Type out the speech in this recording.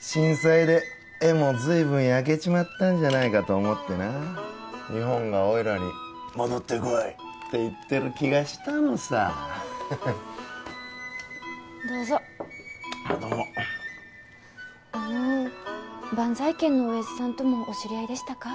震災で絵も随分焼けちまったんじゃないかと思ってな日本がおいらに戻って来いって言ってる気がしたのさどうぞあッどうもあのバンザイ軒のオヤジさんともお知り合いでしたか？